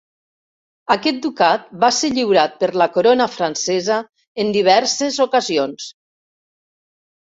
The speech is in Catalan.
Aquest ducat va ser lliurat per la Corona Francesa en diverses ocasions.